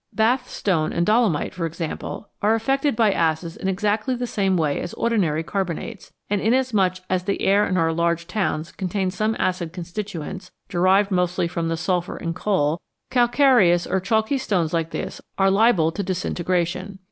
Bath stone and dolomite, for example, are affected by acids in exactly the same way as ordinary carbonates, and inasmuch as the air in our large towns contains some acid constituents, derived mostly from the sulphur in coal, calcareous or chalky stones like these are liable to disintegration.